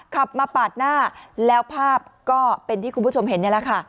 ขับมาปาดหน้าแล้วภาพก็เป็นที่คุณผู้ชมเห็นนี่แหละค่ะ